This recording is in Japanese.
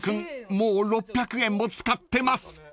もう６００円も使ってます］